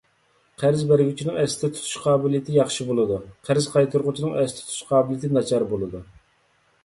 قەرز بەرگۈچىنىڭ ئەستە تۇتۇش قابىلىيىتى ياخشى بولىدۇ، قەرز قايتۇرغۇچىنىڭ ئەستە تۇتۇش قابىلىيىتى ناچار بولىدۇ.